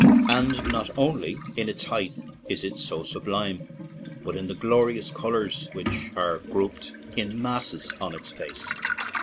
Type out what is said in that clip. And not only in its height is it so sublime, but in the glorious colors which are grouped in masses on its face.